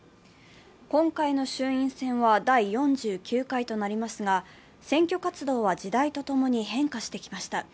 今回の衆院選は第４９回となりますが、選挙活動は時代とともに変化してきました。